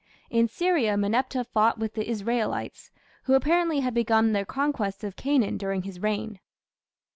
In Syria, Meneptah fought with the Israelites, who apparently had begun their conquest of Canaan during his reign.